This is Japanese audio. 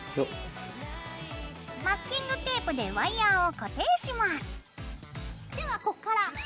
マスキングテープでワイヤーを固定します。